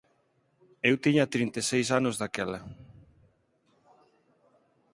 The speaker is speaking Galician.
Eu tiña trinta e seis anos daquela.